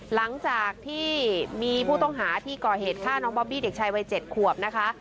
หลังจากที่มีผู้ต้องหาที่ก่อเหตุฆ่าน้องบอบบี้เด็กชายวัย๗ขวบนะคะ